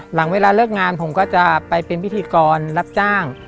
หลังเวลาเลิกงานผมก็จะไปเป็นพิธีกรรับจ้าง